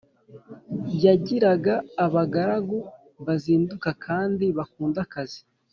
Yagiraga abagaragu bazinduka kandi bakunda akazi